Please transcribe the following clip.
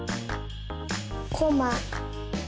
こま。